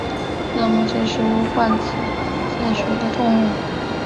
色木槭是无患子科槭属的植物。